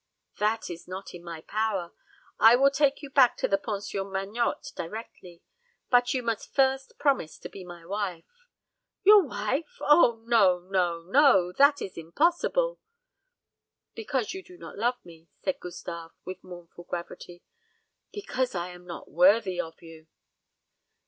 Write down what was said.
"That is not in my power. I will take you back to the Pension Magnotte directly; but you must first promise to be my wife." "Your wife! O, no, no, no! That is impossible." "Because you do not love me," said Gustave, with mournful gravity. "Because I am not worthy of you."